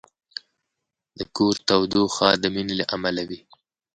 د کور تودوخه د مینې له امله وي.